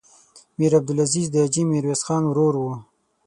میر عبدالعزیز د حاجي میرویس خان ورور و.